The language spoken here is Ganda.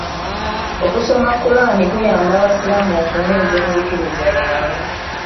Okusoma Kulaani kuyamba abasiraamu okunyweeza enzikiriza yaabwe.